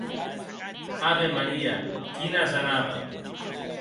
Ave Maria, quina asenada!